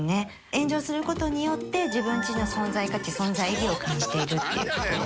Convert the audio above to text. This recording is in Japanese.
炎上する事によって自分の存在価値存在意義を感じているっていう事ですね。